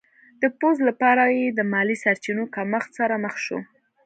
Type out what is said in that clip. د پوځ لپاره یې د مالي سرچینو کمښت سره مخ شو.